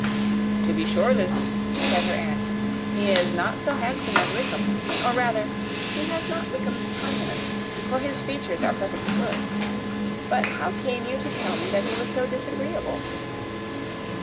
"To be sure, Lizzy," said her aunt, "he is not so handsome as Wickham; or rather he has not Wickham's countenance, for his features are perfectly good. But how came you to tell us that he was so disagreeable?"